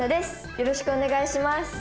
よろしくお願いします。